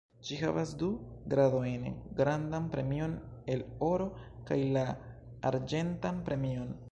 Ĝi havas du gradojn: Grandan premion el oro kaj la arĝentan premion.